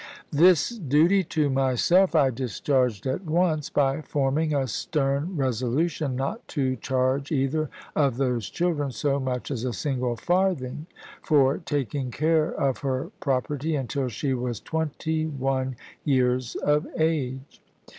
This duty to myself I discharged at once, by forming a stern resolution not to charge either of those children so much as a single farthing for taking care of her property until she was twenty one years of age.